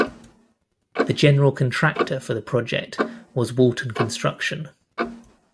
The general contractor for the project was Walton Construction.